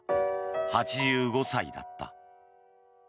８５歳だった。